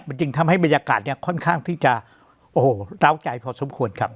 มันจึงทำให้บรรยากาศเนี่ยค่อนข้างที่จะโอ้โหร้าวใจพอสมควรครับ